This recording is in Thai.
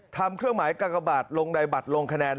เครื่องหมายกากบาทลงในบัตรลงคะแนน